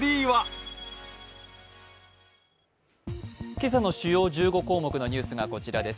今朝の主要１５項目のニュースがこちらです。